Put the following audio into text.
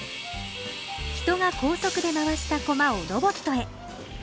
人が高速で回した駒をロボットへ。